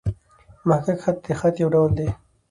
محقق خط؛ د خط یو ډول دﺉ.